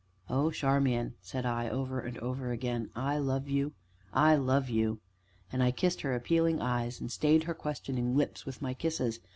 "Oh, Charmian!" said I, over and over again, "I love you I love you." And I kissed her appealing eyes, and stayed her questioning lips with my kisses.